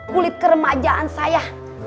kulit keremajaan saya